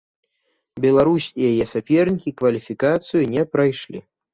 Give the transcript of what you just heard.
Беларусь і яе сапернікі кваліфікацыю не прайшлі.